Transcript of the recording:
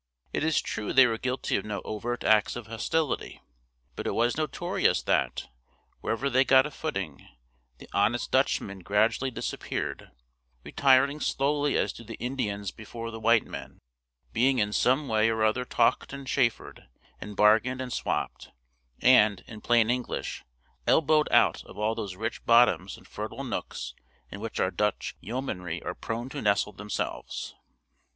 It is true they were guilty of no overt acts of hostility; but it was notorious that, wherever they got a footing, the honest Dutchmen gradually disappeared, retiring slowly as do the Indians before the white men; being in some way or other talked and chaffered, and bargained and swapped, and, in plain English, elbowed out of all those rich bottoms and fertile nooks in which our Dutch yeomanry are prone to nestle themselves.